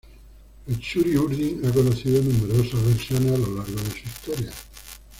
El "Txuri-urdin" ha conocido numerosas versiones a lo largo de su historia.